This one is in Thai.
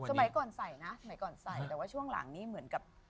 สมัยก่อนใส่นะสมัยก่อนใส่แต่ว่าช่วงหลังนี้เหมือนกับ